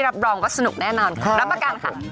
รับรองว่าสนุกแน่นอนค่ะรับประกันค่ะ